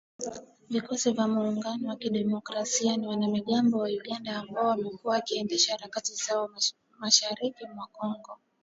Vikosi vya Muungano wa Kidemokrasia ni wanamgambo wa Uganda ambao wamekuwa wakiendesha harakati zao mashariki mwa Kongo.